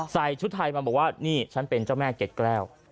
ใส่ชุดไทยมาบอกว่านี่ฉันเป็นเจ้าแม่เกร็ดแก้ว